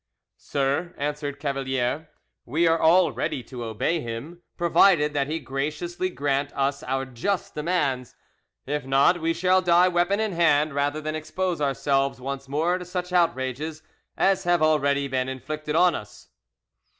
"Sir," answered Cavalier, "we are all ready to obey him, provided that he graciously grant us our just demands; if not, we shall die weapon in hand, rather than expose ourselves once more to such outrages as have already been inflicted on us."